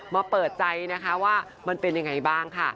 เปิดใจนะคะว่ามันเป็นยังไงบ้างค่ะ